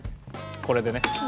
これでね。